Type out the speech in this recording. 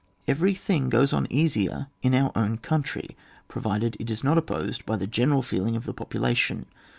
Every thing goes on easier in our own country, provided it is not opposed by the general feeling of the population.